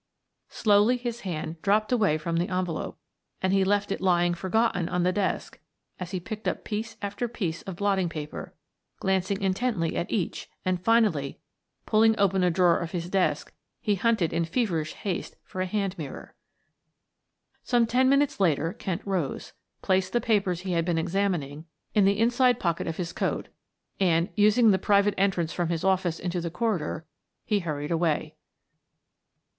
Slowly his hand dropped away from the envelope and he left it lying forgotten on the desk as he picked up piece after piece of blotting paper, glancing intently at each and finally, pulling open a drawer of his desk, he hunted in feverish haste for a hand mirror. Some ten minutes later Kent rose, placed the papers he had been examining in the inside pocket of his coat and, using the private entrance from his office into the corridor, he hurried away.